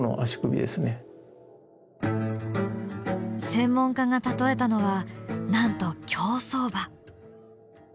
専門家が例えたのはなんと競走馬。